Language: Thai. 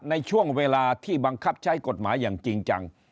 ในช่วงเวลาที่บังคับใช้กฎหมายอย่างจริงจัง